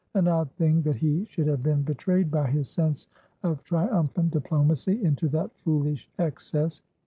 An odd thing that he should have been betrayed by his sense of triumphant diplomacy into that foolish excess.